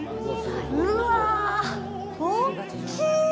うわぁ、大きい！